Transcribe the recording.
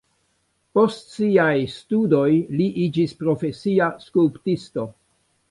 Post siaj studoj li iĝis profesia skulptisto.